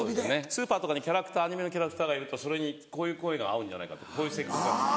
スーパーとかにアニメのキャラクターがいるとそれにこういう声が合うんじゃないかこういう性格が。